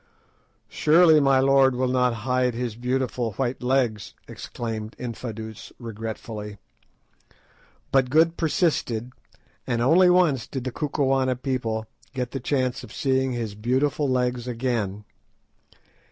"Surely my lord will not hide his beautiful white legs!" exclaimed Infadoos regretfully. But Good persisted, and once only did the Kukuana people get the chance of seeing his beautiful legs again.